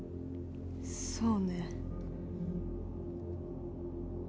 そうね。